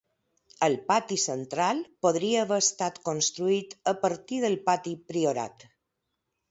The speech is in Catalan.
El pati central podria haver estat construït a partir del pati priorat.